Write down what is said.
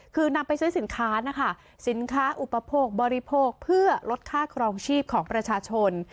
คือนำไปซื้อสินค้านะคะสินค้าอุปโภคบริโภคเพื่อลดค่าครองชีพของประชาชน